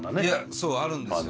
そうあるんですよ。